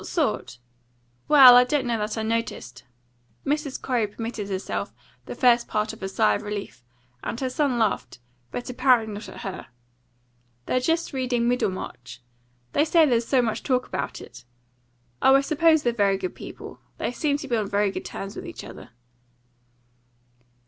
"What sort? Well, I don't know that I noticed." Mrs. Corey permitted herself the first part of a sigh of relief; and her son laughed, but apparently not at her. "They're just reading Middlemarch. They say there's so much talk about it. Oh, I suppose they're very good people. They seemed to be on very good terms with each other."